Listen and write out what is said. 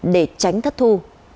để tránh thất thu